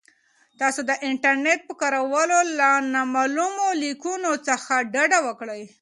تاسو د انټرنیټ په کارولو کې له نامعلومو لینکونو څخه ډډه وکړئ.